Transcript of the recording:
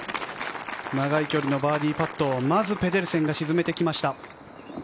長い距離のバーディーパットをまずペデルセンが沈めてきました。